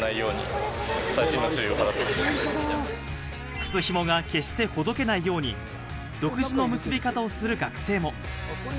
靴紐が決してほどけないように独自の結び方をする学生も。